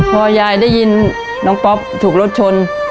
พอยายได้ยินน้องป๊อปถูกรถชน